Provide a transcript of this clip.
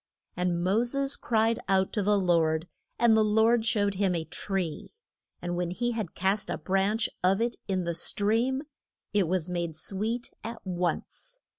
And Mo ses cried out to the Lord, and the Lord showed him a tree, and when he had cast a branch of it in the stream it was made sweet at once.